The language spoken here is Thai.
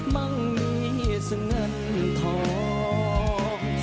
มั่งมีเสียงเงินทอง